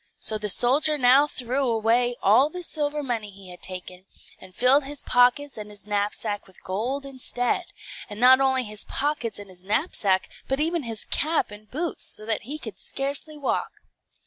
So the soldier now threw away all the silver money he had taken, and filled his pockets and his knapsack with gold instead; and not only his pockets and his knapsack, but even his cap and boots, so that he could scarcely walk.